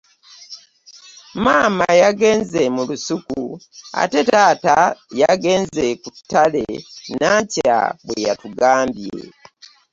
“Maama yagenze mu lusuku ate taata yagenze ku ttale”. Nankya bwe yatugambye.